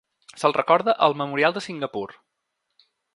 Se'l recorda al Memorial de Singapur.